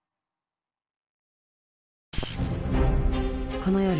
この夜魔